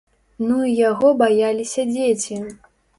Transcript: Ну й яго баяліся дзеці!